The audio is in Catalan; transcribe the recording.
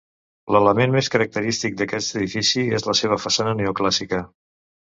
L’element més característic d’aquest edifici és la seva façana neoclàssica.